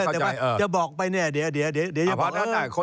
เดี๋ยวจะบอกไปเนี่ยเดี๋ยวจะบอก